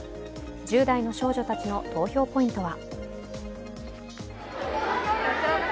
１０代の少女たちの投票ポイントは？